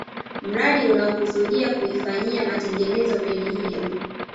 Mradi unaokusudia kuifanyia matengenezo meli hiyo